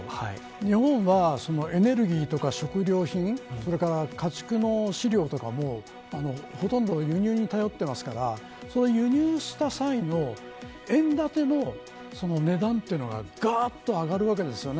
日本は、エネルギーとか食料品それから家畜の飼料とかもほとんど輸入に頼ってますからその輸入した際の円建ての値段というのががっと上がるわけですよね。